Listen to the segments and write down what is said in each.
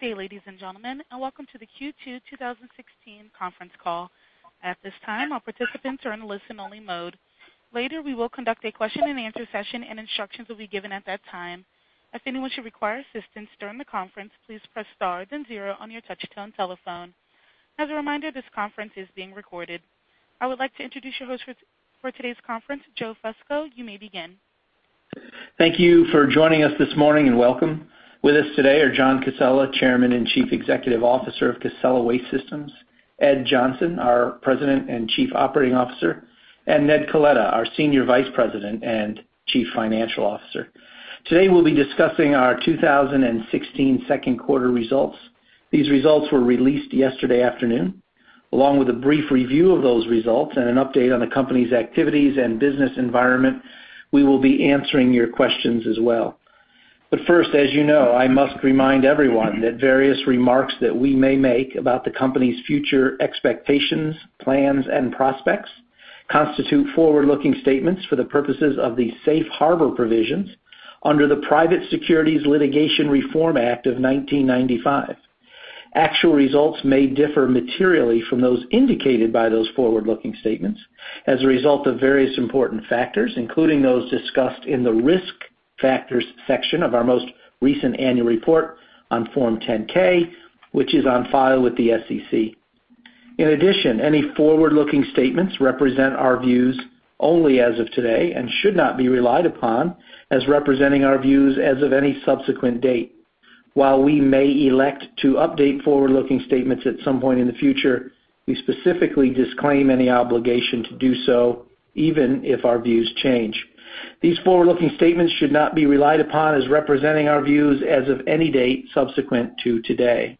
Good day, ladies and gentlemen, welcome to the Q2 2016 conference call. At this time, all participants are in listen only mode. Later, we will conduct a question and answer session, instructions will be given at that time. If anyone should require assistance during the conference, please press star then zero on your touch-tone telephone. As a reminder, this conference is being recorded. I would like to introduce your host for today's conference, Joe Fusco. You may begin. Thank you for joining us this morning and welcome. With us today are John Casella, Chairman and Chief Executive Officer of Casella Waste Systems, Ed Johnson, our President and Chief Operating Officer, and Ned Coletta, our Senior Vice President and Chief Financial Officer. Today, we'll be discussing our 2016 second quarter results. These results were released yesterday afternoon. Along with a brief review of those results and an update on the company's activities and business environment, we will be answering your questions as well. First, as you know, I must remind everyone that various remarks that we may make about the company's future expectations, plans, and prospects constitute forward-looking statements for the purposes of the safe harbor provisions under the Private Securities Litigation Reform Act of 1995. Actual results may differ materially from those indicated by those forward-looking statements as a result of various important factors, including those discussed in the risk factors section of our most recent annual report on Form 10-K, which is on file with the SEC. In addition, any forward-looking statements represent our views only as of today and should not be relied upon as representing our views as of any subsequent date. While we may elect to update forward-looking statements at some point in the future, we specifically disclaim any obligation to do so, even if our views change. These forward-looking statements should not be relied upon as representing our views as of any date subsequent to today.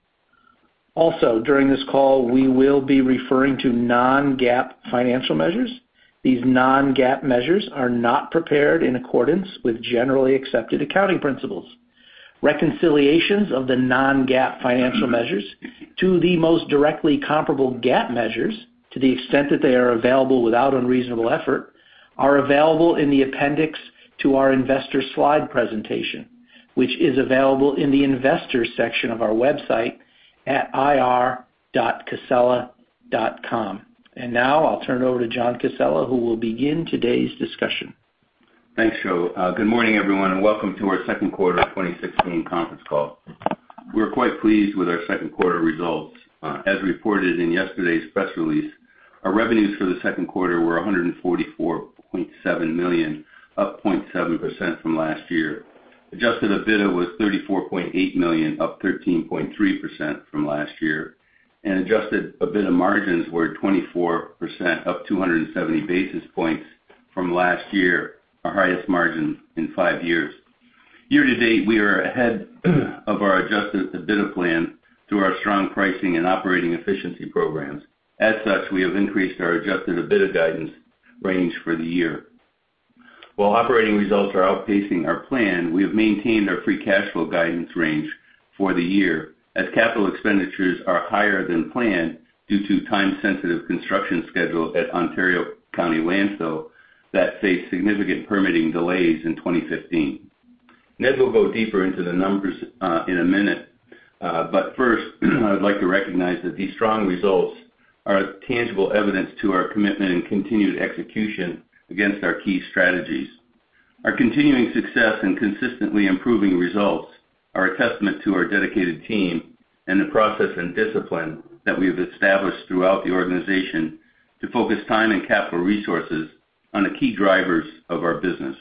During this call, we will be referring to non-GAAP financial measures. These non-GAAP measures are not prepared in accordance with generally accepted accounting principles. Reconciliations of the non-GAAP financial measures to the most directly comparable GAAP measures, to the extent that they are available without unreasonable effort, are available in the appendix to our investor slide presentation, which is available in the investors section of our website at ir.casella.com. Now I'll turn it over to John Casella, who will begin today's discussion. Thanks, Joe. Good morning, everyone, and welcome to our second quarter 2016 conference call. We're quite pleased with our second quarter results. As reported in yesterday's press release, our revenues for the second quarter were $144.7 million, up 0.7% from last year. Adjusted EBITDA was $34.8 million, up 13.3% from last year. Adjusted EBITDA margins were 24%, up 270 basis points from last year, our highest margin in five years. Year to date, we are ahead of our adjusted EBITDA plan through our strong pricing and operating efficiency programs. As such, we have increased our adjusted EBITDA guidance range for the year. While operating results are outpacing our plan, we have maintained our free cash flow guidance range for the year, as capital expenditures are higher than planned due to time-sensitive construction schedule at Ontario County Landfill that faced significant permitting delays in 2015. Ned will go deeper into the numbers in a minute. First, I would like to recognize that these strong results are tangible evidence to our commitment and continued execution against our key strategies. Our continuing success and consistently improving results are a testament to our dedicated team and the process and discipline that we have established throughout the organization to focus time and capital resources on the key drivers of our business.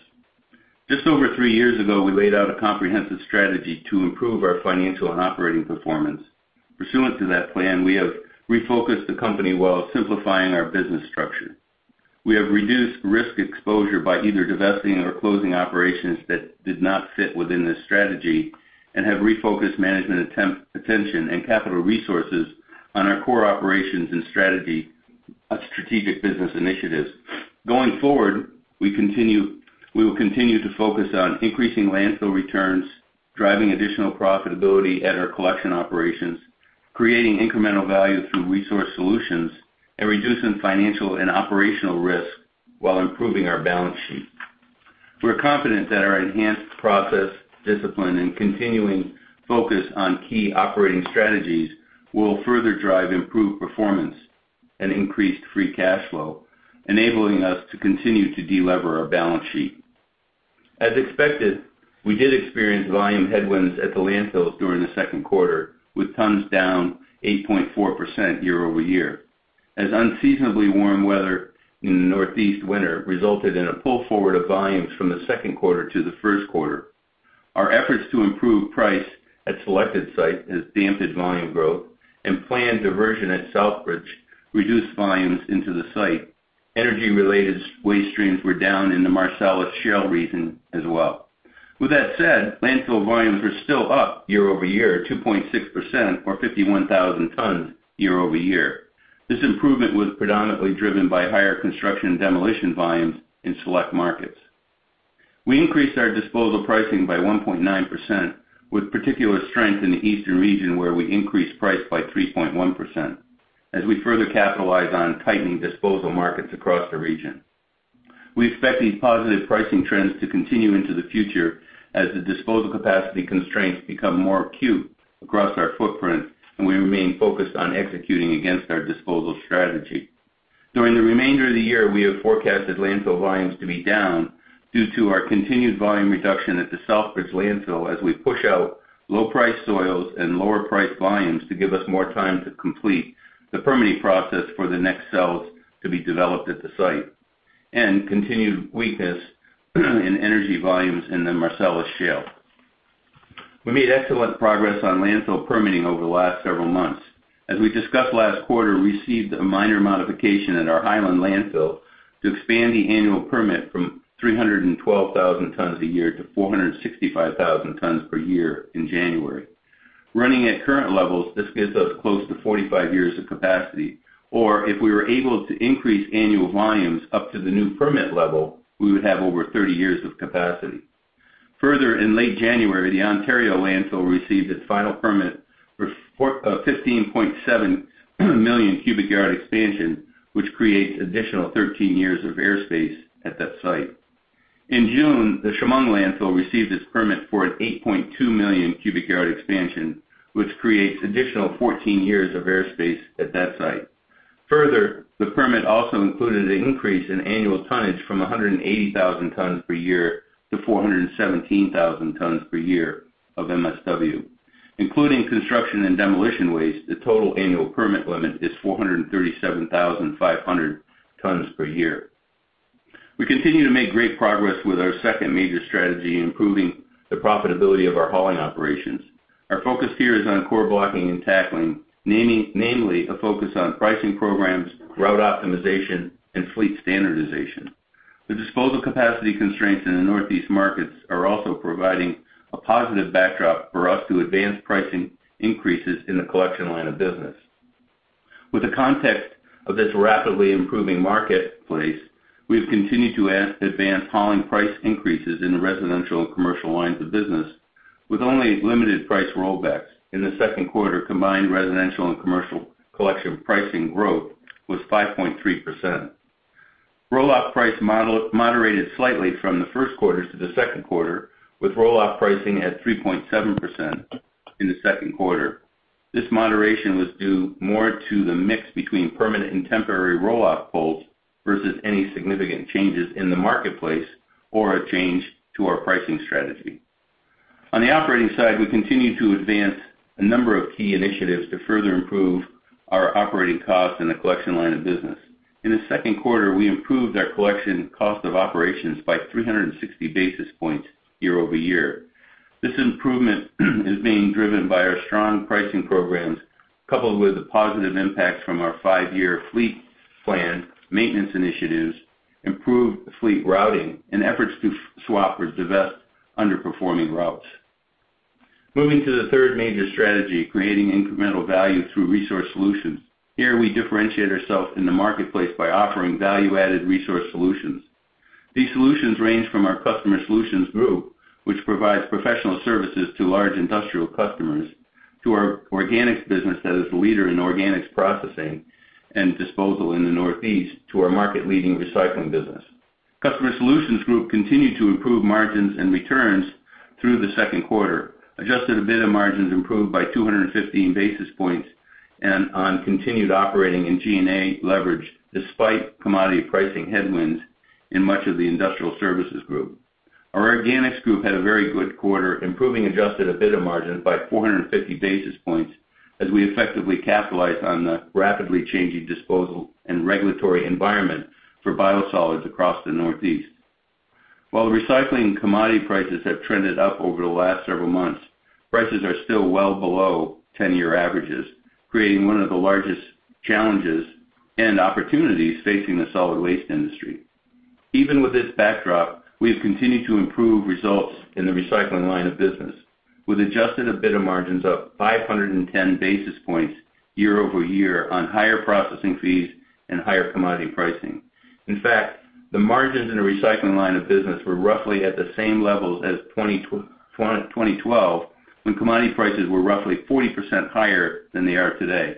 Just over three years ago, we laid out a comprehensive strategy to improve our financial and operating performance. Pursuant to that plan, we have refocused the company while simplifying our business structure. We have reduced risk exposure by either divesting or closing operations that did not fit within this strategy and have refocused management attention and capital resources on our core operations and strategic business initiatives. Going forward, we will continue to focus on increasing landfill returns, driving additional profitability at our collection operations, creating incremental value through resource solutions, and reducing financial and operational risk while improving our balance sheet. We're confident that our enhanced process discipline and continuing focus on key operating strategies will further drive improved performance and increased free cash flow, enabling us to continue to delever our balance sheet. As expected, we did experience volume headwinds at the landfills during the second quarter, with tons down 8.4% year-over-year, as unseasonably warm weather in the Northeast winter resulted in a pull forward of volumes from the second quarter to the first quarter. Our efforts to improve price at selected sites has dampened volume growth, and planned diversion at Southbridge reduced volumes into the site. Energy-related waste streams were down in the Marcellus Shale region as well. With that said, landfill volumes were still up year-over-year, 2.6%, or 51,000 tons year-over-year. This improvement was predominantly driven by higher construction and demolition volumes in select markets. We increased our disposal pricing by 1.9%, with particular strength in the eastern region, where we increased price by 3.1% as we further capitalize on tightening disposal markets across the region. We expect these positive pricing trends to continue into the future as the disposal capacity constraints become more acute across our footprint. We remain focused on executing against our disposal strategy. During the remainder of the year, we have forecasted landfill volumes to be down due to our continued volume reduction at the Southbridge Landfill as we push out low-priced soils and lower-priced volumes to give us more time to complete the permitting process for the next cells to be developed at the site, and continued weakness in energy volumes in the Marcellus Shale. We made excellent progress on landfill permitting over the last several months. As we discussed last quarter, we received a minor modification at our Highland Landfill to expand the annual permit from 312,000 tons per year to 465,000 tons per year in January. Running at current levels, this gets us close to 45 years of capacity, or if we were able to increase annual volumes up to the new permit level, we would have over 30 years of capacity. In late January, the Ontario Landfill received its final permit for a 15.7 million cubic yard expansion, which creates additional 13 years of airspace at that site. In June, the Chemung Landfill received its permit for an 8.2 million cubic yard expansion, which creates additional 14 years of airspace at that site. The permit also included an increase in annual tonnage from 180,000 tons per year to 417,000 tons per year of MSW. Including construction and demolition waste, the total annual permit limit is 437,500 tons per year. We continue to make great progress with our second major strategy, improving the profitability of our hauling operations. Our focus here is on core blocking and tackling, namely a focus on pricing programs, route optimization, and fleet standardization. The disposal capacity constraints in the Northeast markets are also providing a positive backdrop for us to advance pricing increases in the collection line of business. With the context of this rapidly improving marketplace, we have continued to advance hauling price increases in the residential and commercial lines of business with only limited price rollbacks. In the second quarter, combined residential and commercial collection pricing growth was 5.3%. Roll-off price moderated slightly from the first quarter to the second quarter, with roll-off pricing at 3.7% in the second quarter. This moderation was due more to the mix between permanent and temporary roll-off pulls versus any significant changes in the marketplace or a change to our pricing strategy. On the operating side, we continue to advance a number of key initiatives to further improve our operating costs in the collection line of business. In the second quarter, we improved our collection cost of operations by 360 basis points year-over-year. This improvement is being driven by our strong pricing programs, coupled with the positive impacts from our five-year fleet plan maintenance initiatives, improved fleet routing, and efforts to swap or divest underperforming routes. Moving to the third major strategy, creating incremental value through resource solutions. Here we differentiate ourselves in the marketplace by offering value-added resource solutions. These solutions range from our Customer Solutions Group, which provides professional services to large industrial customers, to our organics business that is the leader in organics processing and disposal in the Northeast, to our market-leading recycling business. Customer Solutions Group continued to improve margins and returns through the second quarter. Adjusted EBITDA margins improved by 215 basis points and on continued operating and G&A leverage, despite commodity pricing headwinds in much of the industrial services group. Our organics group had a very good quarter, improving adjusted EBITDA margins by 450 basis points as we effectively capitalize on the rapidly changing disposal and regulatory environment for biosolids across the Northeast. While the recycling commodity prices have trended up over the last several months, prices are still well below 10-year averages, creating one of the largest challenges and opportunities facing the solid waste industry. Even with this backdrop, we have continued to improve results in the recycling line of business, with adjusted EBITDA margins up 510 basis points year-over-year on higher processing fees and higher commodity pricing. The margins in the recycling line of business were roughly at the same levels as 2012, when commodity prices were roughly 40% higher than they are today.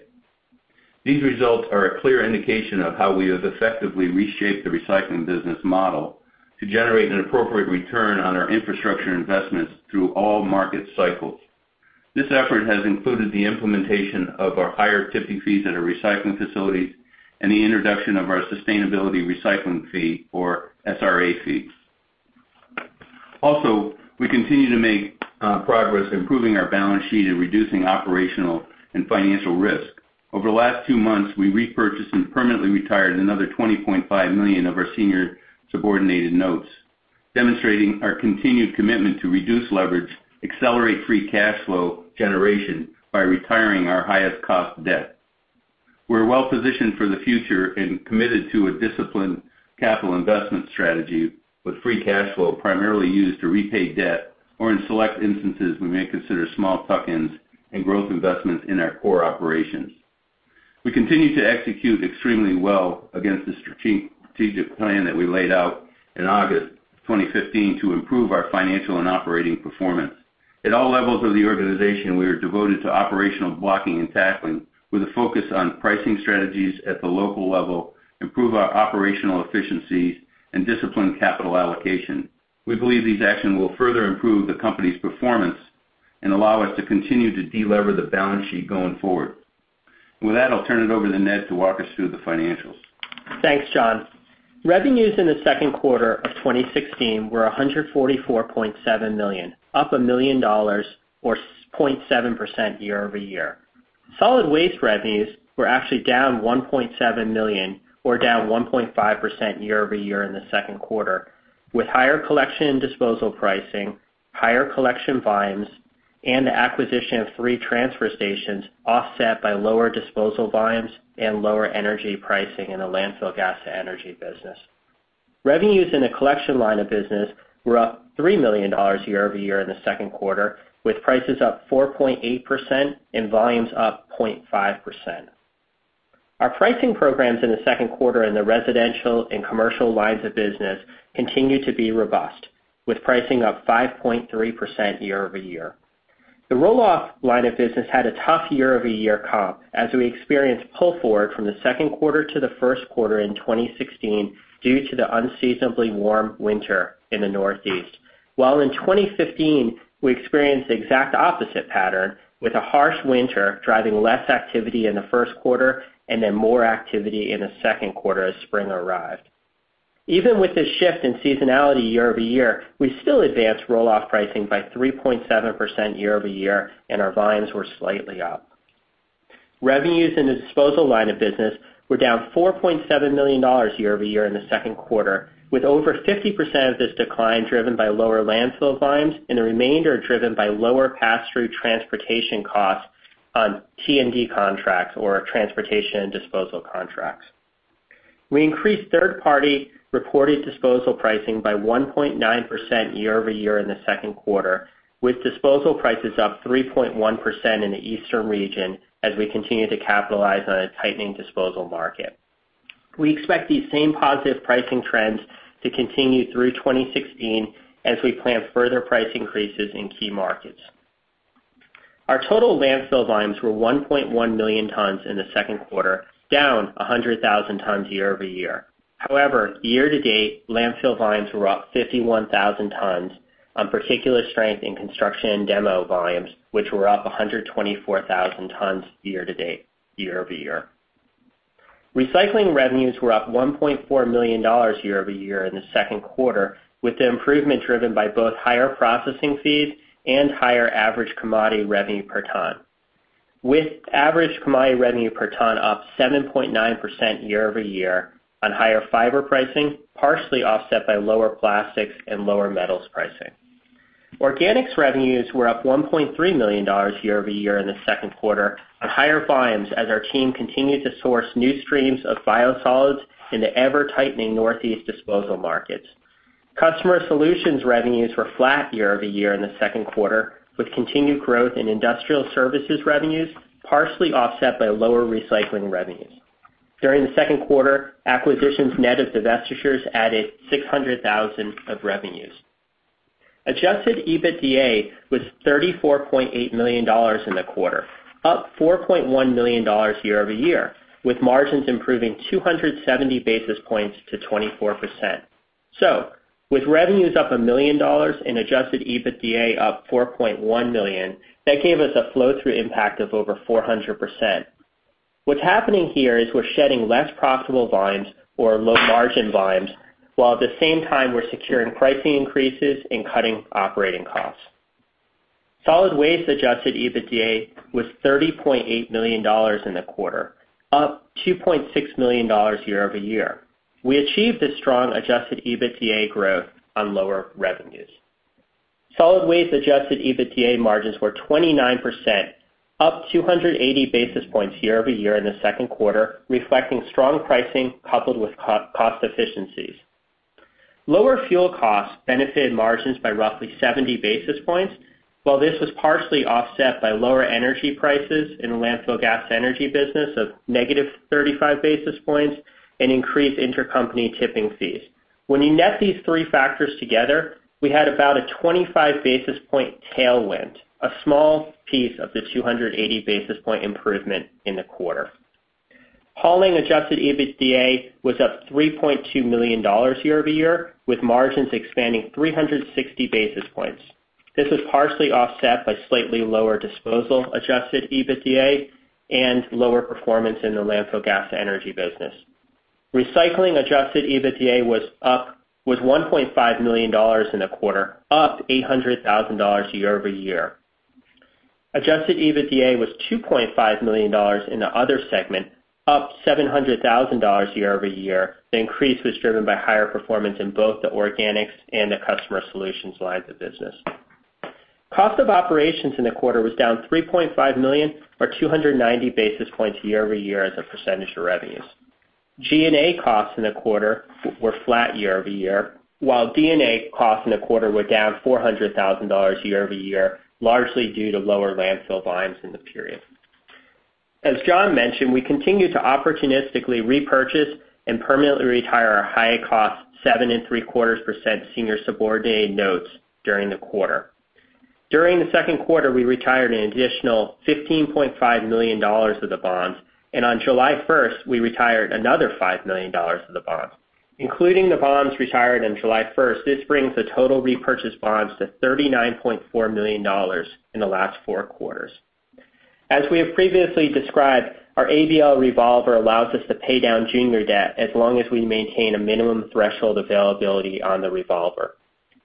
These results are a clear indication of how we have effectively reshaped the recycling business model to generate an appropriate return on our infrastructure investments through all market cycles. This effort has included the implementation of our higher tipping fees at our recycling facilities and the introduction of our Sustainability Recycling fee, or SRA fees. We continue to make progress improving our balance sheet and reducing operational and financial risk. Over the last two months, we repurchased and permanently retired another $20.5 million of our senior subordinated notes, demonstrating our continued commitment to reduce leverage, accelerate free cash flow generation by retiring our highest cost debt. We are well positioned for the future and committed to a disciplined capital investment strategy with free cash flow primarily used to repay debt, or in select instances, we may consider small tuck-ins and growth investments in our core operations. We continue to execute extremely well against the strategic plan that we laid out in August 2015 to improve our financial and operating performance. At all levels of the organization, we are devoted to operational blocking and tackling, with a focus on pricing strategies at the local level, improve our operational efficiencies, and discipline capital allocation. We believe these actions will further improve the company's performance and allow us to continue to de-lever the balance sheet going forward. With that, I'll turn it over to Ned to walk us through the financials. Thanks, John. Revenues in the second quarter of 2016 were $144.7 million, up a million dollars, or 0.7% year-over-year. Solid waste revenues were actually down $1.7 million, or down 1.5% year-over-year in the second quarter, with higher collection and disposal pricing, higher collection volumes, and the acquisition of three transfer stations offset by lower disposal volumes and lower energy pricing in the landfill gas to energy business. Revenues in the collection line of business were up $3 million year-over-year in the second quarter, with prices up 4.8% and volumes up 0.5%. Our pricing programs in the second quarter in the residential and commercial lines of business continued to be robust, with pricing up 5.3% year-over-year. The roll-off line of business had a tough year-over-year comp as we experienced pull forward from the second quarter to the first quarter in 2016 due to the unseasonably warm winter in the Northeast. In 2015, we experienced the exact opposite pattern, with a harsh winter driving less activity in the first quarter and then more activity in the second quarter as spring arrived. Even with this shift in seasonality year-over-year, we still advanced roll-off pricing by 3.7% year-over-year, and our volumes were slightly up. Revenues in the solid waste disposal line of business were down $4.7 million year-over-year in the second quarter, with over 50% of this decline driven by lower landfill volumes and the remainder driven by lower pass-through transportation costs on T and D contracts or transportation and disposal contracts. We increased third-party reported solid waste disposal pricing by 1.9% year-over-year in the second quarter, with solid waste disposal prices up 3.1% in the eastern region as we continue to capitalize on a tightening solid waste disposal market. We expect these same positive pricing trends to continue through 2016 as we plan further price increases in key markets. Our total landfill volumes were 1.1 million tons in the second quarter, down 100,000 tons year-over-year. Year-to-date, landfill volumes were up 51,000 tons on particular strength in construction and demo volumes, which were up 124,000 tons year-to-date, year-over-year. Recycling revenues were up $1.4 million year-over-year in the second quarter, with the improvement driven by both higher processing fees and higher average commodity revenue per ton. With average commodity revenue per ton up 7.9% year-over-year on higher fiber pricing, partially offset by lower plastics and lower metals pricing. Organics services revenues were up $1.3 million year-over-year in the second quarter on higher volumes as our team continued to source new streams of biosolids in the ever-tightening northeast solid waste disposal markets. Customer Solutions Group revenues were flat year-over-year in the second quarter, with continued growth in industrial services revenues partially offset by lower recycling revenues. During the second quarter, acquisitions net of divestitures added $600,000 of revenues. Adjusted EBITDA was $34.8 million in the quarter, up $4.1 million year-over-year, with margins improving 270 basis points to 24%. With revenues up $1 million and adjusted EBITDA up $4.1 million, that gave us a flow-through impact of over 400%. What's happening here is we're shedding less profitable volumes or low margin volumes, while at the same time, we're securing pricing increases and cutting operating costs. Solid waste adjusted EBITDA was $30.8 million in the quarter, up $2.6 million year-over-year. We achieved this strong adjusted EBITDA growth on lower revenues. Solid waste adjusted EBITDA margins were 29%, up 280 basis points year-over-year in the second quarter, reflecting strong pricing coupled with cost efficiencies. Lower fuel costs benefited margins by roughly 70 basis points, while this was partially offset by lower energy prices in the landfill gas energy business of negative 35 basis points and increased intercompany tipping fees. When you net these three factors together, we had about a 25 basis point tailwind, a small piece of the 280 basis point improvement in the quarter. Hauling adjusted EBITDA was up $3.2 million year-over-year, with margins expanding 360 basis points. This was partially offset by slightly lower solid waste disposal adjusted EBITDA and lower performance in the landfill gas energy business. Recycling services adjusted EBITDA was $1.5 million in the quarter, up $800,000 year-over-year. Adjusted EBITDA was $2.5 million in the other segment, up $700,000 year-over-year. The increase was driven by higher performance in both the organics services and the Customer Solutions Group lines of business. Cost of operations in the quarter was down $3.5 million or 290 basis points year-over-year as a percentage of revenues. G&A costs in the quarter were flat year-over-year, while D&A costs in the quarter were down $400,000 year-over-year, largely due to lower landfill volumes in the period. As John mentioned, we continue to opportunistically repurchase and permanently retire our high-cost 7.75% senior subordinated notes during the quarter. During the second quarter, we retired an additional $15.5 million of the bonds, and on July 1st, we retired another $5 million of the bonds. Including the bonds retired on July 1st, this brings the total repurchased bonds to $39.4 million in the last four quarters. As we have previously described, our ABL revolver allows us to pay down junior debt as long as we maintain a minimum threshold availability on the revolver.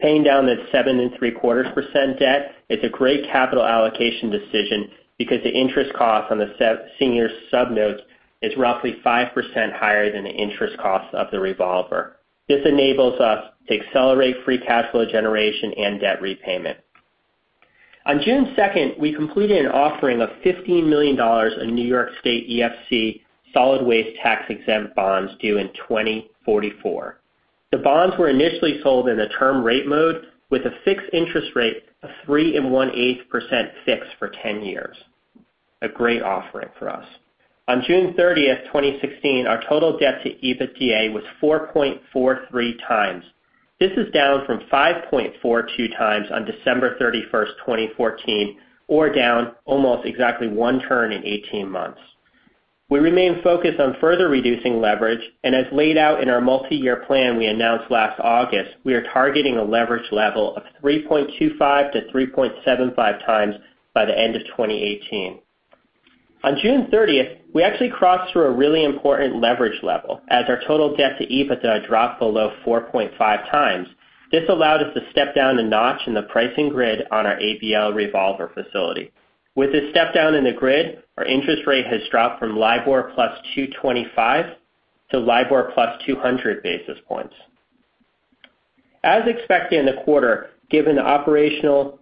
Paying down the 7.75% debt is a great capital allocation decision because the interest cost on the senior sub-notes is roughly 5% higher than the interest cost of the revolver. This enables us to accelerate free cash flow generation and debt repayment. On June 2nd, we completed an offering of $15 million in New York State EFC solid waste tax-exempt bonds due in 2044. The bonds were initially sold in a term rate mode with a fixed interest rate of 3.125% fixed for 10 years. A great offering for us. On June 30th, 2016, our total debt to EBITDA was 4.43 times. This is down from 5.42 times on December 31st, 2014, or down almost exactly one turn in 18 months. We remain focused on further reducing leverage. As laid out in our multi-year plan we announced last August, we are targeting a leverage level of 3.25-3.75 times by the end of 2018. On June 30th, we actually crossed through a really important leverage level as our total debt to EBITDA dropped below 4.5 times. This allowed us to step down a notch in the pricing grid on our ABL revolver facility. With this step down in the grid, our interest rate has dropped from LIBOR plus 225 to LIBOR plus 200 basis points. As expected in the quarter, given the operational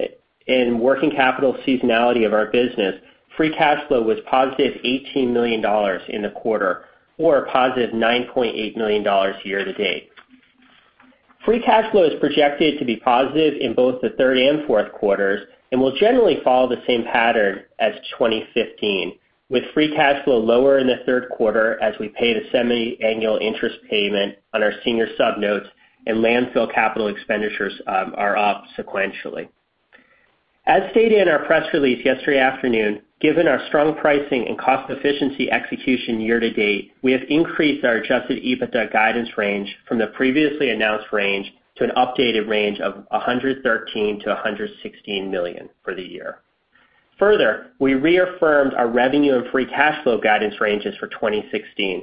and working capital seasonality of our business, free cash flow was positive $18 million in the quarter or a positive $9.8 million year to date. Free cash flow is projected to be positive in both the third and fourth quarters and will generally follow the same pattern as 2015, with free cash flow lower in the third quarter as we pay the semiannual interest payment on our senior sub-notes and landfill capital expenditures are up sequentially. As stated in our press release yesterday afternoon, given our strong pricing and cost efficiency execution year to date, we have increased our adjusted EBITDA guidance range from the previously announced range to an updated range of $113 million-$116 million for the year. We reaffirmed our revenue and free cash flow guidance ranges for 2016.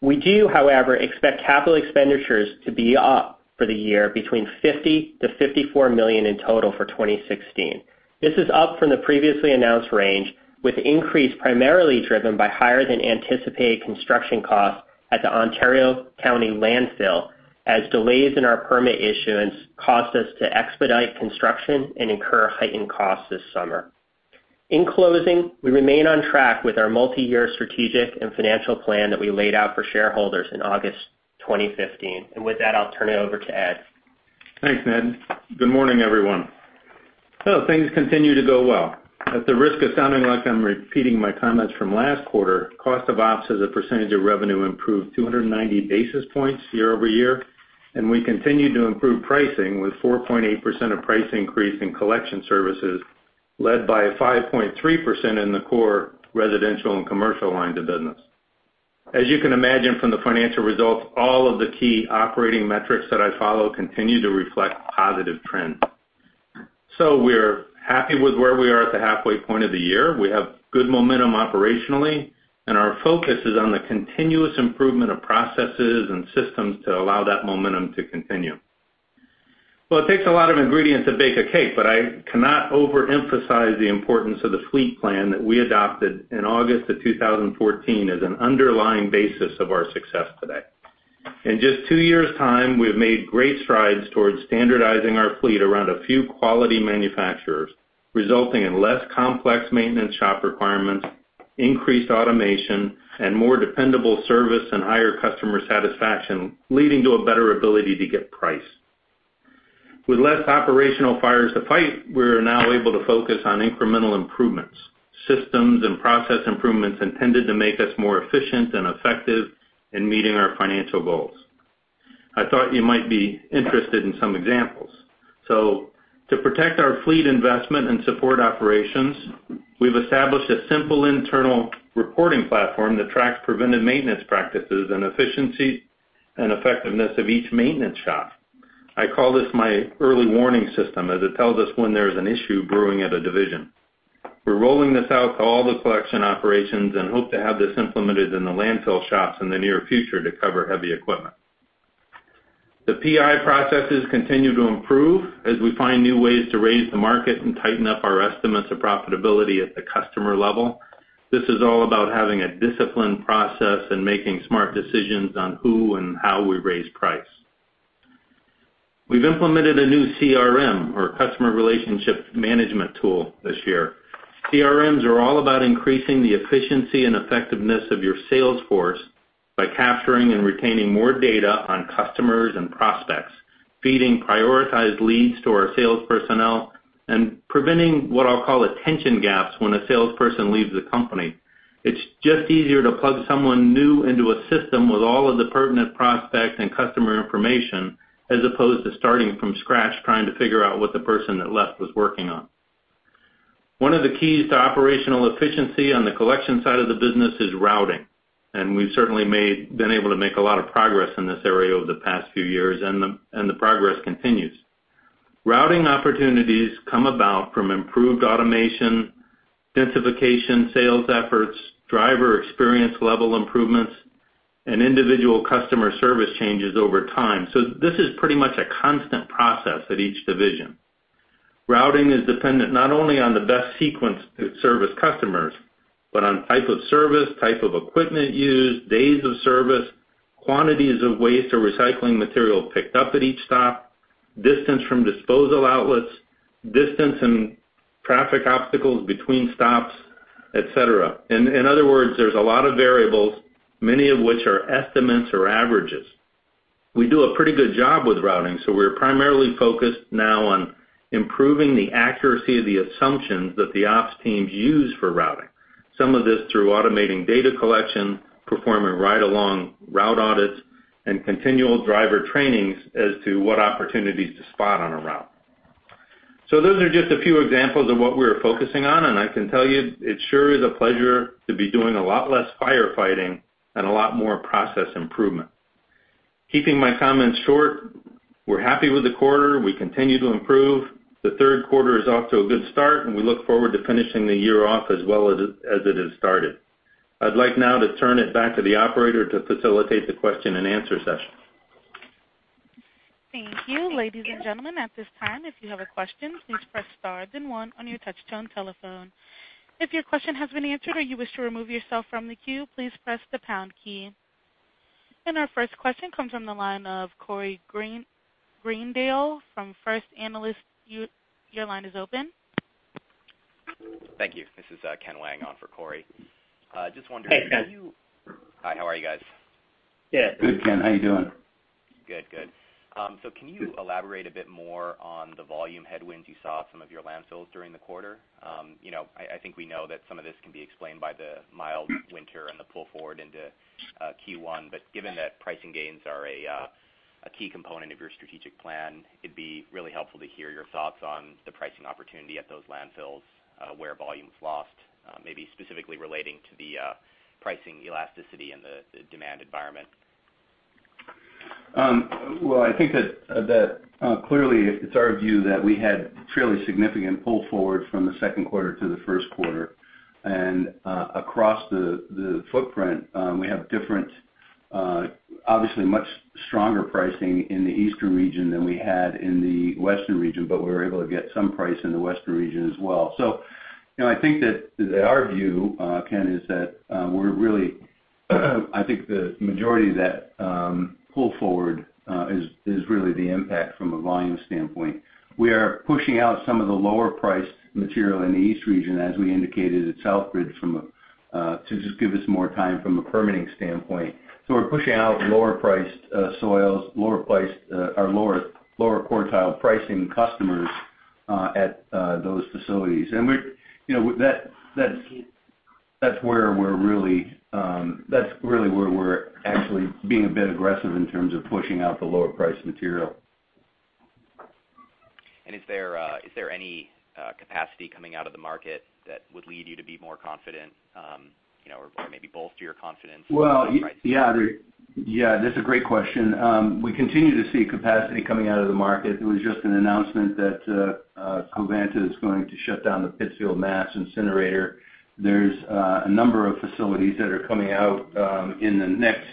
We do, however, expect capital expenditures to be up for the year between $50 million-$54 million in total for 2016. This is up from the previously announced range, with the increase primarily driven by higher than anticipated construction costs at the Ontario County Landfill, as delays in our permit issuance caused us to expedite construction and incur heightened costs this summer. In closing, we remain on track with our multi-year strategic and financial plan that we laid out for shareholders in August 2015. With that, I'll turn it over to Ed. Thanks, Ned. Good morning, everyone. Things continue to go well. At the risk of sounding like I'm repeating my comments from last quarter, cost of ops as a percentage of revenue improved 290 basis points year-over-year, we continue to improve pricing, with 4.8% of price increase in collection services, led by a 5.3% in the core residential and commercial lines of business. As you can imagine from the financial results, all of the key operating metrics that I follow continue to reflect positive trends. We're happy with where we are at the halfway point of the year. We have good momentum operationally, our focus is on the continuous improvement of processes and systems to allow that momentum to continue. Well, it takes a lot of ingredients to bake a cake, I cannot overemphasize the importance of the fleet plan that we adopted in August of 2014 as an underlying basis of our success today. In just two years' time, we have made great strides towards standardizing our fleet around a few quality manufacturers, resulting in less complex maintenance shop requirements, increased automation, more dependable service and higher customer satisfaction, leading to a better ability to get price. With less operational fires to fight, we are now able to focus on incremental improvements, systems and process improvements intended to make us more efficient and effective in meeting our financial goals. I thought you might be interested in some examples. To protect our fleet investment and support operations, we've established a simple internal reporting platform that tracks preventive maintenance practices and efficiency and effectiveness of each maintenance shop. I call this my early warning system, as it tells us when there is an issue brewing at a division. We're rolling this out to all the collection operations and hope to have this implemented in the landfill shops in the near future to cover heavy equipment. The P.I. processes continue to improve as we find new ways to raise the market and tighten up our estimates of profitability at the customer level. This is all about having a disciplined process and making smart decisions on who and how we raise price. We've implemented a new CRM or customer relationship management tool this year. CRMs are all about increasing the efficiency and effectiveness of your sales force by capturing and retaining more data on customers and prospects, feeding prioritized leads to our sales personnel, preventing what I'll call attention gaps when a salesperson leaves the company. It's just easier to plug someone new into a system with all of the pertinent prospects and customer information, as opposed to starting from scratch, trying to figure out what the person that left was working on. One of the keys to operational efficiency on the collection side of the business is routing, and we've certainly been able to make a lot of progress in this area over the past few years, and the progress continues. Routing opportunities come about from improved automation, densification, sales efforts, driver experience level improvements, and individual customer service changes over time. This is pretty much a constant process at each division. Routing is dependent not only on the best sequence to service customers, but on type of service, type of equipment used, days of service, quantities of waste or recycling material picked up at each stop, distance from disposal outlets, distance and traffic obstacles between stops, et cetera. In other words, there's a lot of variables, many of which are estimates or averages. We do a pretty good job with routing, we're primarily focused now on improving the accuracy of the assumptions that the ops teams use for routing. Some of this through automating data collection, performing ride along route audits, and continual driver trainings as to what opportunities to spot on a route. Those are just a few examples of what we're focusing on, and I can tell you, it sure is a pleasure to be doing a lot less firefighting and a lot more process improvement. Keeping my comments short, we're happy with the quarter. We continue to improve. The third quarter is off to a good start, and we look forward to finishing the year off as well as it has started. I'd like now to turn it back to the operator to facilitate the question and answer session. Thank you. Ladies and gentlemen, at this time, if you have a question, please press star then one on your touchtone telephone. If your question has been answered or you wish to remove yourself from the queue, please press the pound key. Our first question comes from the line of Corey Greendale from First Analysis. Your line is open. Thank you. This is Ken Wang on for Corey. Hey, Ken. Hi, how are you guys? Good, Ken. How you doing? Can you elaborate a bit more on the volume headwinds you saw at some of your landfills during the quarter? I think we know that some of this can be explained by the mild winter and the pull forward into Q1. Given that pricing gains are a key component of your strategic plan, it would be really helpful to hear your thoughts on the pricing opportunity at those landfills, where volume's lost, maybe specifically relating to the pricing elasticity and the demand environment. Well, I think that clearly it's our view that we had fairly significant pull forward from the second quarter to the first quarter. Across the footprint, we have different, obviously much stronger pricing in the eastern region than we had in the western region, but we were able to get some price in the western region as well. I think that our view, Ken Wang, is that we're really I think the majority of that pull forward is really the impact from a volume standpoint. We are pushing out some of the lower priced material in the east region, as we indicated at Southbridge, to just give us more time from a permitting standpoint. We're pushing out lower priced soils, lower quartile pricing customers, at those facilities. That's really where we're actually being a bit aggressive in terms of pushing out the lower priced material. Is there any capacity coming out of the market that would lead you to be more confident, or maybe bolster your confidence? Well, yeah. That's a great question. We continue to see capacity coming out of the market. There was just an announcement that Covanta is going to shut down the Pittsfield, MA incinerator. There's a number of facilities that are coming out in the next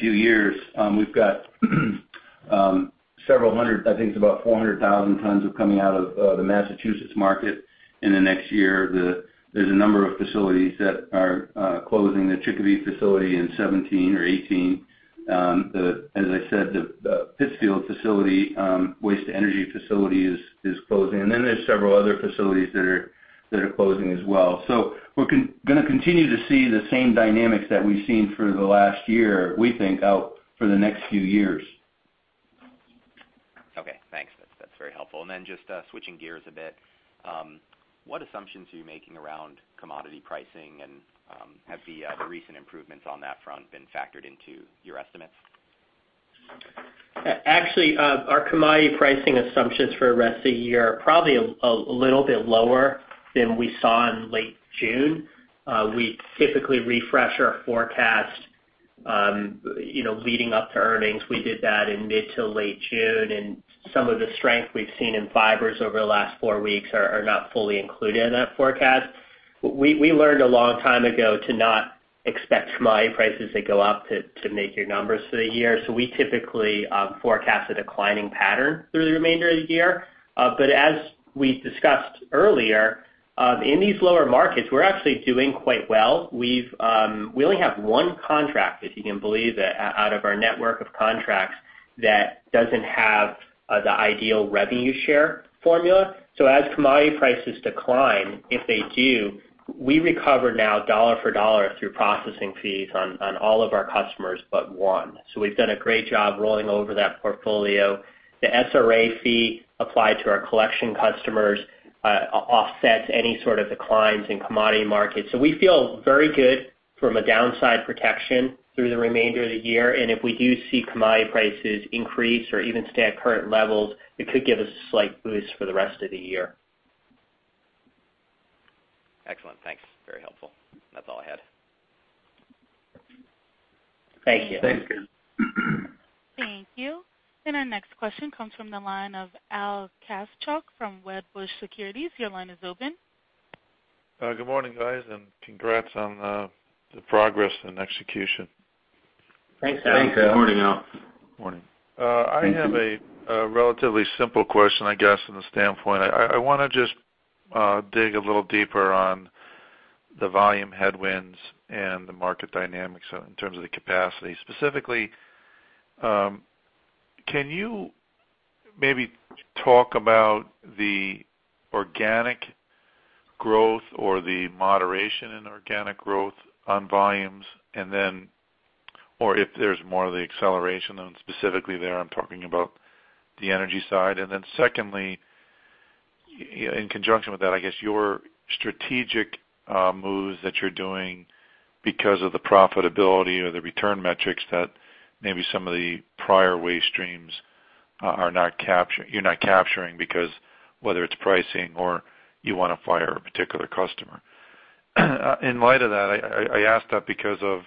few years. We've got several hundred, I think it's about 400,000 tons coming out of the Massachusetts market in the next year. There's a number of facilities that are closing. The Chicopee facility in 2017 or 2018. As I said, the Pittsfield facility, waste-to-energy facility is closing. Then there's several other facilities that are closing as well. We're going to continue to see the same dynamics that we've seen through the last year, we think, out for the next few years. Okay, thanks. That's very helpful. Just switching gears a bit, what assumptions are you making around commodity pricing, and have the recent improvements on that front been factored into your estimates? Actually, our commodity pricing assumptions for the rest of the year are probably a little bit lower than we saw in late June. We typically refresh our forecast leading up to earnings. We did that in mid to late June, some of the strength we've seen in fibers over the last four weeks are not fully included in that forecast. We learned a long time ago to not expect commodity prices that go up to make your numbers for the year. We typically forecast a declining pattern through the remainder of the year. As we discussed earlier, in these lower markets, we're actually doing quite well. We only have one contract, if you can believe it, out of our network of contracts that doesn't have the ideal revenue share formula. As commodity prices decline, if they do, we recover now dollar for dollar through processing fees on all of our customers but one. We've done a great job rolling over that portfolio. The SRA fee applied to our collection customers offsets any sort of declines in commodity markets. We feel very good from a downside protection through the remainder of the year. If we do see commodity prices increase or even stay at current levels, it could give us a slight boost for the rest of the year. Excellent. Thanks. Very helpful. That's all I had. Thank you. Thanks. Thank you. Our next question comes from the line of Al Kaschalk from Wedbush Securities. Your line is open. Good morning, guys. Congrats on the progress and execution. Thanks, Al. Thanks, Al. Good morning, Al. Morning. Thank you. I have a relatively simple question, I guess, from the standpoint, I want to just dig a little deeper on the volume headwinds and the market dynamics in terms of the capacity. Specifically, can you maybe talk about the organic growth or the moderation in organic growth on volumes and then, or if there's more of the acceleration on specifically there, I'm talking about the energy side. Secondly, in conjunction with that, I guess your strategic moves that you're doing because of the profitability or the return metrics that maybe some of the prior waste streams you're not capturing because whether it's pricing or you want to fire a particular customer. In light of that, I ask that because of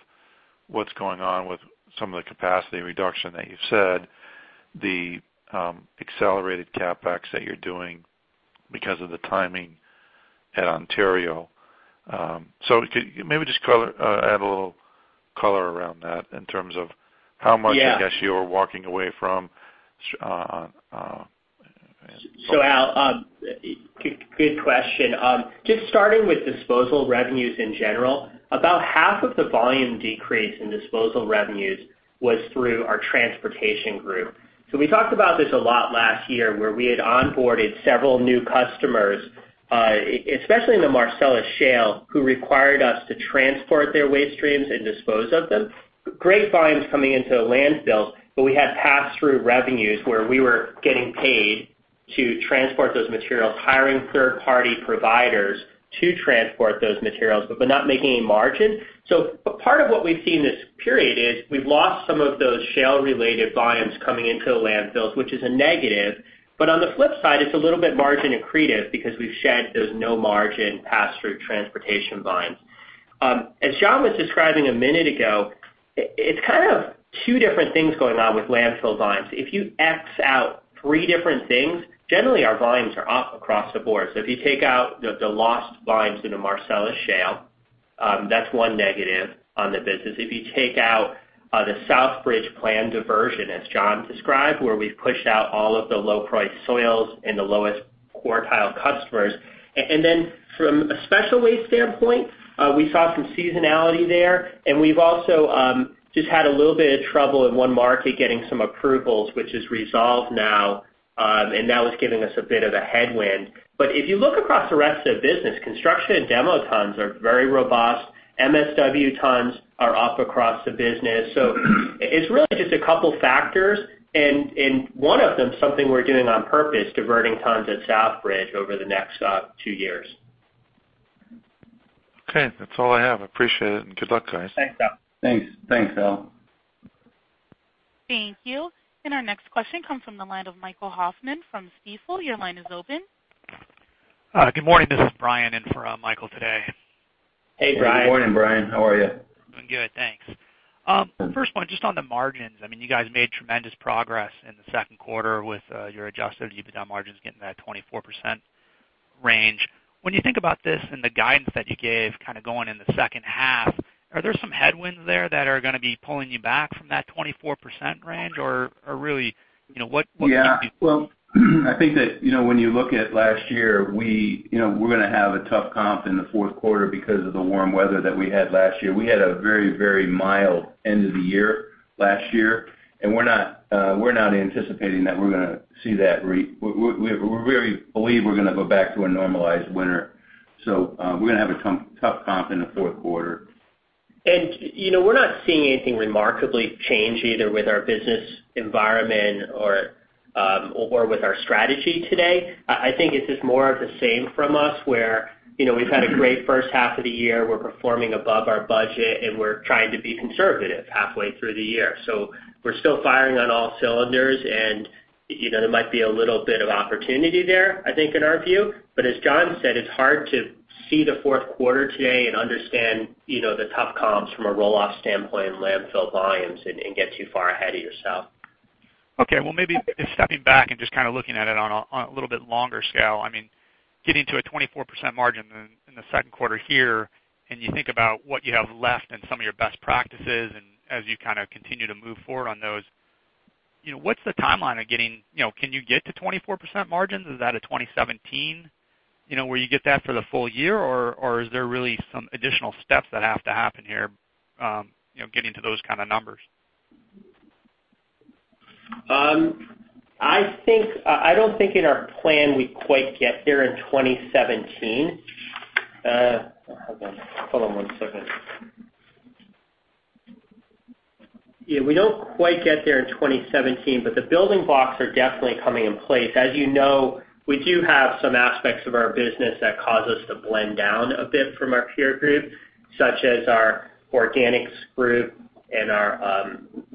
what's going on with some of the capacity reduction that you've said, the accelerated CapEx that you're doing because of the timing at Ontario. Could you maybe just add a little color around that in terms of how much. Yeah I guess you are walking away from? Al Kaschalk, good question. Just starting with disposal revenues in general, about half of the volume decrease in disposal revenues was through our transportation group. We talked about this a lot last year, where we had onboarded several new customers, especially in the Marcellus Shale, who required us to transport their waste streams and dispose of them. Great volumes coming into the landfills, we had pass-through revenues where we were getting paid to transport those materials, hiring third-party providers to transport those materials, but not making any margin. Part of what we've seen this period is we've lost some of those shale-related volumes coming into the landfills, which is a negative. On the flip side, it's a little bit margin accretive because we've shed those no-margin pass-through transportation volumes. As John Casella was describing a minute ago, it's kind of two different things going on with landfill volumes. If you X out three different things, generally our volumes are up across the board. If you take out the lost volumes in the Marcellus Shale, that's one negative on the business. If you take out the Southbridge planned diversion as John Casella described, where we've pushed out all of the low-price soils and the lowest quartile customers. From a special waste standpoint, we saw some seasonality there and we've also just had a little bit of trouble in one market getting some approvals, which is resolved now, and that was giving us a bit of a headwind. If you look across the rest of the business, construction and demo tons are very robust. MSW tons are up across the business. It's really just a couple factors, and one of them is something we're doing on purpose, diverting tons at Southbridge over the next two years. Okay. That's all I have. Appreciate it. Good luck, guys. Thanks, Al. Thanks. Thanks, Al. Thank you. Our next question comes from the line of Michael Hoffman from Stifel. Your line is open. Good morning. This is Brian in for Michael today. Hey, Brian. Good morning, Brian. How are you? I'm good, thanks. First one, just on the margins, you guys made tremendous progress in the second quarter with your adjusted EBITDA margins getting to that 24% range. When you think about this and the guidance that you gave kind of going in the second half, are there some headwinds there that are going to be pulling you back from that 24% range? Well, I think that when you look at last year, we're going to have a tough comp in the fourth quarter because of the warm weather that we had last year. We had a very mild end of the year last year, and we're not anticipating that we're going to see that. We really believe we're going to go back to a normalized winter. We're going to have a tough comp in the fourth quarter. We're not seeing anything remarkably change either with our business environment or with our strategy today. I think it's just more of the same from us where we've had a great first half of the year. We're performing above our budget, and we're trying to be conservative halfway through the year. We're still firing on all cylinders, and there might be a little bit of opportunity there, I think, in our view. As John said, it's hard to see the fourth quarter today and understand the tough comps from a roll-off standpoint and landfill volumes and get too far ahead of yourself. Okay. Well, maybe just stepping back and just kind of looking at it on a little bit longer scale. Getting to a 24% margin in the second quarter here. You think about what you have left and some of your best practices and as you kind of continue to move forward on those, what's the timeline of getting? Can you get to 24% margins? Is that a 2017 where you get that for the full year, or is there really some additional steps that have to happen here, getting to those kind of numbers? I don't think in our plan we quite get there in 2017. Hold on one second. We don't quite get there in 2017, but the building blocks are definitely coming in place. As you know, we do have some aspects of our business that cause us to blend down a bit from our peer group, such as our organics group and our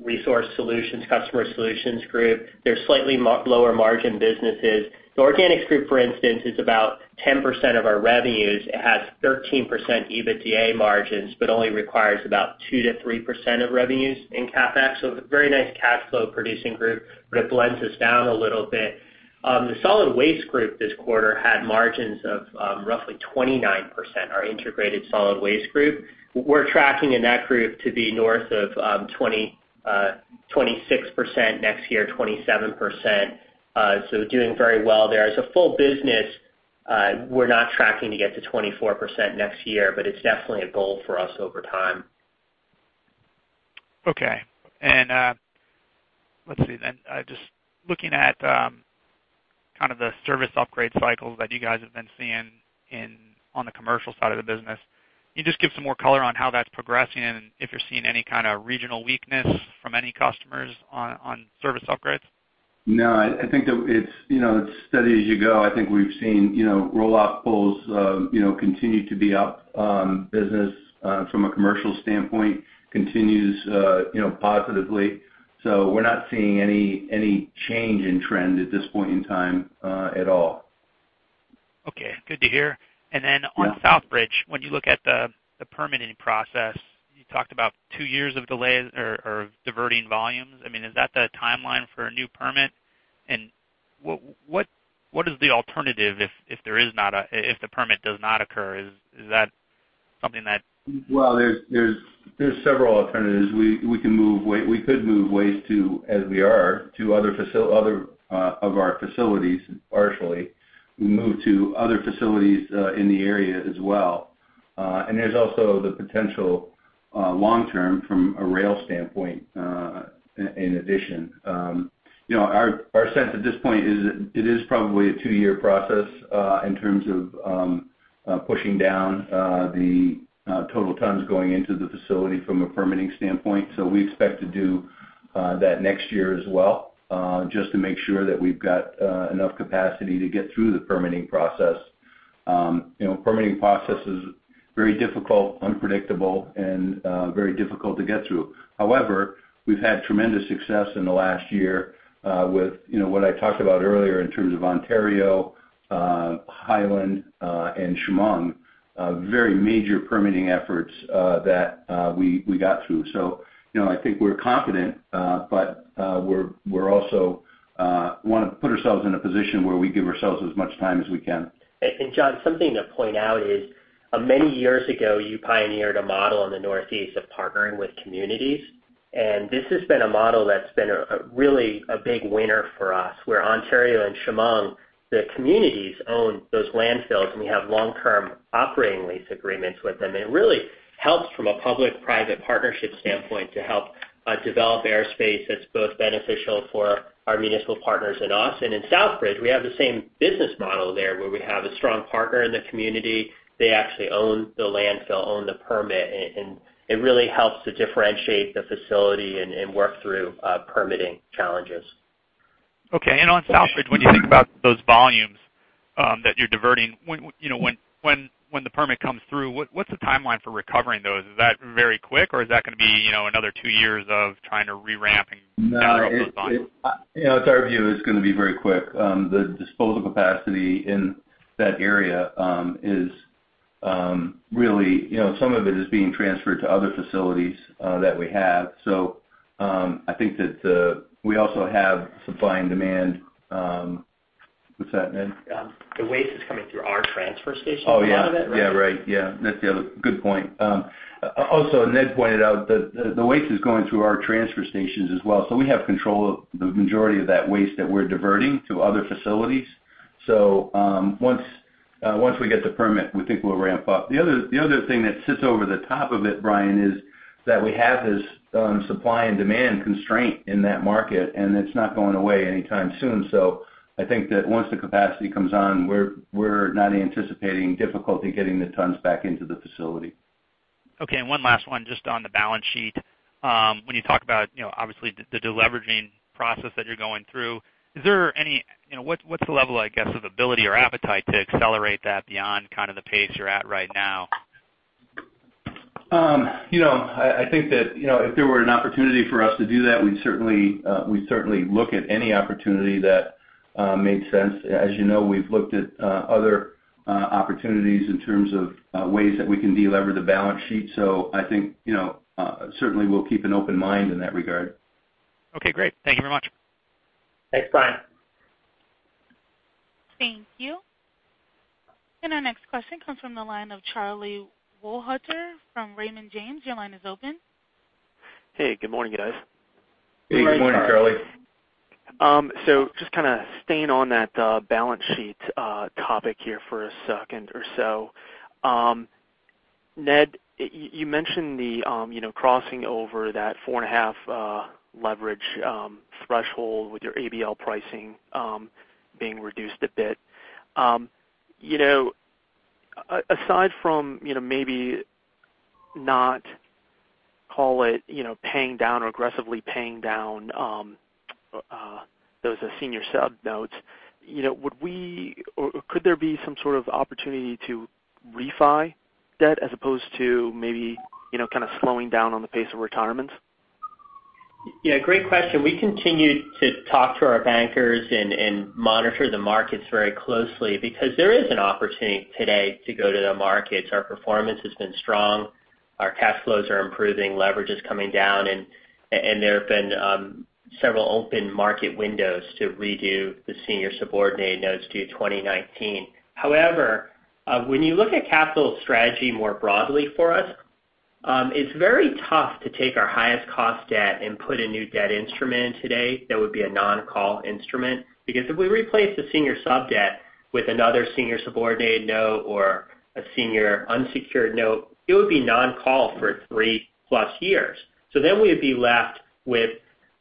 resource solutions, Customer Solutions Group. They're slightly lower margin businesses. The organics group, for instance, is about 10% of our revenues. It has 13% EBITDA margins, but only requires about 2%-3% of revenues in CapEx. A very nice cash flow producing group, but it blends us down a little bit. The solid waste group this quarter had margins of roughly 29%, our integrated solid waste group. We're tracking in that group to be north of 26% next year, 27%. Doing very well there. As a full business, we're not tracking to get to 24% next year, but it's definitely a goal for us over time. Okay. let's see then, just looking at the service upgrade cycles that you guys have been seeing on the commercial side of the business, can you just give some more color on how that's progressing and if you're seeing any kind of regional weakness from any customers on service upgrades? No, I think that it's steady as you go. I think we've seen rollout pulls continue to be up, business from a commercial standpoint continues positively. We're not seeing any change in trend at this point in time at all. Okay. Good to hear. Yeah. On Southbridge, when you look at the permitting process, you talked about 2 years of delays or diverting volumes. Is that the timeline for a new permit? What is the alternative if the permit does not occur? Is that something that There's several alternatives. We could move waste to, as we are, to other of our facilities, partially. We move to other facilities in the area as well. There's also the potential, long-term, from a rail standpoint, in addition. Our sense at this point is it is probably a 2-year process, in terms of pushing down the total tons going into the facility from a permitting standpoint. We expect to do that next year as well, just to make sure that we've got enough capacity to get through the permitting process. Permitting process is very difficult, unpredictable, and very difficult to get through. However, we've had tremendous success in the last year with what I talked about earlier in terms of Ontario, Highland, and Chemung, very major permitting efforts that we got through. I think we're confident, but we also want to put ourselves in a position where we give ourselves as much time as we can. John, something to point out is, many years ago, you pioneered a model in the Northeast of partnering with communities, and this has been a model that's been really a big winner for us, where Ontario and Chemung, the communities own those landfills, and we have long-term operating lease agreements with them. It really helps from a public-private partnership standpoint to help develop airspace that's both beneficial for our municipal partners and us. In Southbridge, we have the same business model there, where we have a strong partner in the community. They actually own the landfill, own the permit, and it really helps to differentiate the facility and work through permitting challenges. Okay. On Southbridge, when you think about those volumes that you're diverting, when the permit comes through, what's the timeline for recovering those? Is that very quick, or is that going to be another two years of trying to re-ramp and those volumes? It's our view it's going to be very quick. The disposal capacity in that area is really Some of it is being transferred to other facilities that we have. I think that we also have supply and demand What's that, Ned? The waste is coming through our transfer stations, a lot of it, right? Yeah, right. That's the other Good point. Also, Ned pointed out that the waste is going through our transfer stations as well, we have control of the majority of that waste that we're diverting to other facilities. Once we get the permit, we think we'll ramp up. The other thing that sits over the top of it, Brian, is that we have this supply and demand constraint in that market, and it's not going away anytime soon. I think that once the capacity comes on, we're not anticipating difficulty getting the tons back into the facility. Okay, one last one, just on the balance sheet. When you talk about, obviously, the de-leveraging process that you're going through, what's the level, I guess, of ability or appetite to accelerate that beyond the pace you're at right now? I think that if there were an opportunity for us to do that, we'd certainly look at any opportunity that made sense. As you know, we've looked at other opportunities in terms of ways that we can de-lever the balance sheet, I think certainly we'll keep an open mind in that regard. Okay, great. Thank you very much. Thanks, Brian. Thank you. Our next question comes from the line of Charlie Wohlhuter from Raymond James. Your line is open. Hey, good morning, guys. Hey, good morning, Charlie. Just kind of staying on that balance sheet topic here for a second or so. Ned, you mentioned the crossing over that four and a half leverage threshold with your ABL pricing being reduced a bit. Aside from maybe not call it paying down or aggressively paying down those senior sub-notes, could there be some sort of opportunity to refi debt as opposed to maybe kind of slowing down on the pace of retirements? Yeah. Great question. We continue to talk to our bankers and monitor the markets very closely because there is an opportunity today to go to the markets. Our performance has been strong. Our cash flows are improving, leverage is coming down, and there have been several open market windows to redo the senior subordinated notes due 2019. However, when you look at capital strategy more broadly for us, it's very tough to take our highest cost debt and put a new debt instrument in today that would be a non-call instrument. If we replace the senior sub debt with another senior subordinated note or a senior unsecured note, it would be non-call for 3-plus years. We would be left with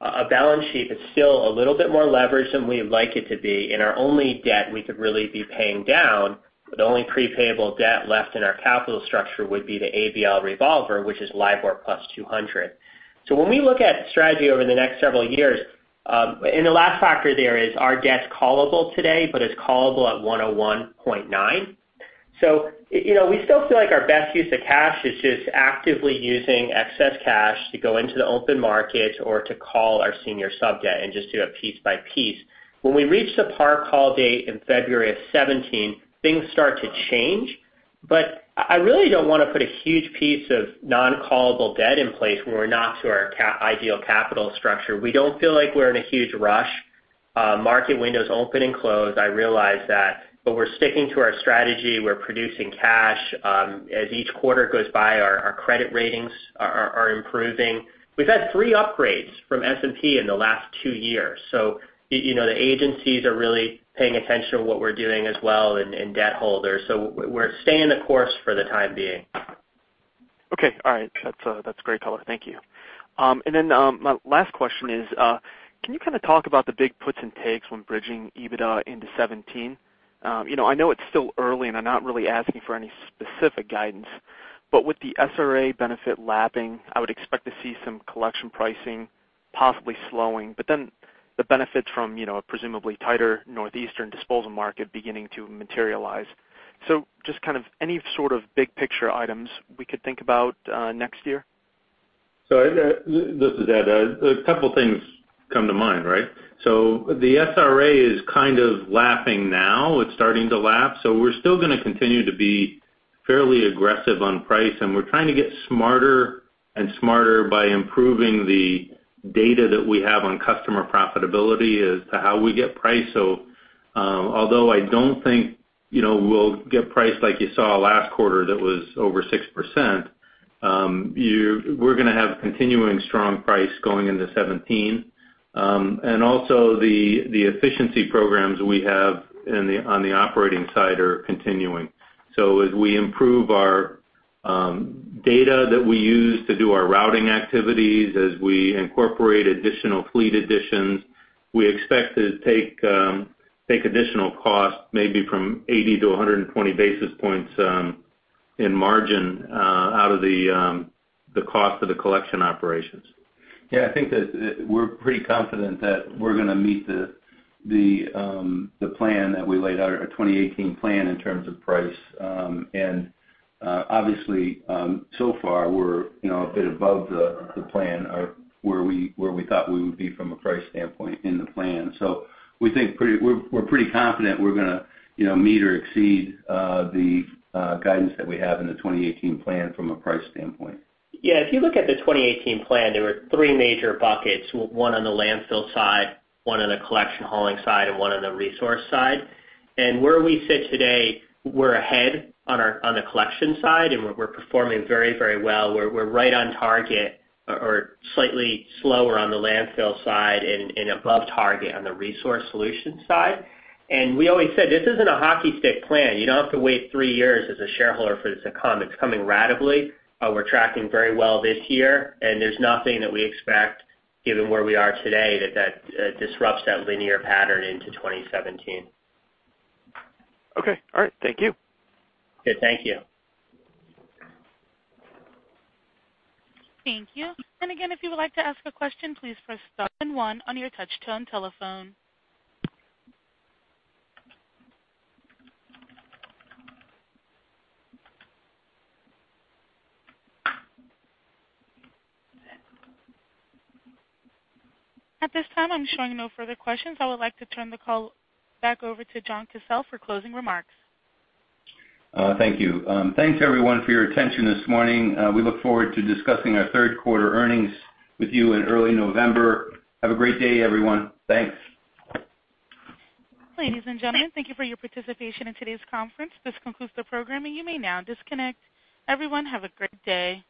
a balance sheet that's still a little bit more leverage than we would like it to be, and our only debt we could really be paying down, the only pre-payable debt left in our capital structure would be the ABL revolver, which is LIBOR plus 200. When we look at strategy over the next several years and the last factor there is our debt's callable today, but it's callable at 101.9. We still feel like our best use of cash is just actively using excess cash to go into the open market or to call our senior sub debt and just do it piece by piece. When we reach the par call date in February of 2017, things start to change. I really don't want to put a huge piece of non-callable debt in place when we're not to our ideal capital structure. We don't feel like we're in a huge rush. Market windows open and close, I realize that, we're sticking to our strategy. We're producing cash. As each quarter goes by, our credit ratings are improving. We've had three upgrades from S&P in the last two years, so the agencies are really paying attention to what we're doing as well and debt holders. We're staying the course for the time being. Okay. All right. That's great color. Thank you. My last question is, can you kind of talk about the big puts and takes when bridging EBITDA into 2017? I know it's still early, I'm not really asking for any specific guidance. With the SRA benefit lapping, I would expect to see some collection pricing possibly slowing, the benefits from a presumably tighter Northeastern disposal market beginning to materialize. Just kind of any sort of big picture items we could think about next year? This is Ed. A couple of things come to mind, right? The SRA is kind of lapping now. It's starting to lap. We're still going to continue to be fairly aggressive on price, and we're trying to get smarter and smarter by improving the data that we have on customer profitability as to how we get price. Although I don't think we'll get price like you saw last quarter that was over 6%, we're going to have continuing strong price going into 2017. Also the efficiency programs we have on the operating side are continuing. As we improve our data that we use to do our routing activities, as we incorporate additional fleet additions, we expect to take additional cost, maybe from 80 to 120 basis points in margin out of the cost of the collection operations. I think that we're pretty confident that we're going to meet the plan that we laid out, our 2018 plan in terms of price. Obviously, so far we're a bit above the plan or where we thought we would be from a price standpoint in the plan. We're pretty confident we're going to meet or exceed the guidance that we have in the 2018 plan from a price standpoint. If you look at the 2018 plan, there were 3 major buckets, one on the landfill side, one on the collection hauling side, and one on the resource side. Where we sit today, we're ahead on the collection side, and we're performing very well. We're right on target or slightly slower on the landfill side and above target on the Resource Solutions side. We always said this isn't a hockey stick plan. You don't have to wait 3 years as a shareholder for this to come. It's coming ratably. We're tracking very well this year, and there's nothing that we expect, given where we are today, that disrupts that linear pattern into 2017. Okay. All right. Thank you. Okay. Thank you. Thank you. Again, if you would like to ask a question, please press star then one on your touch-tone telephone. At this time, I'm showing no further questions. I would like to turn the call back over to John Casella for closing remarks. Thank you. Thanks, everyone, for your attention this morning. We look forward to discussing our third quarter earnings with you in early November. Have a great day, everyone. Thanks. Ladies and gentlemen, thank you for your participation in today's conference. This concludes the programming. You may now disconnect. Everyone, have a great day.